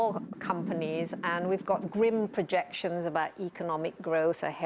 dan kami memiliki proyek yang berat tentang kembang ekonomi di depan kami